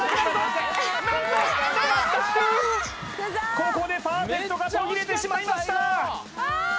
ここでパーフェクトが途切れてしまいました